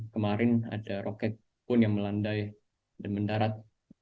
kemarin ada roket pun yang melandai dan mendarat